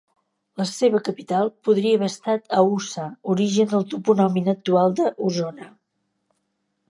La seva capital podria haver estat Ausa, origen del topònim actual d'Osona.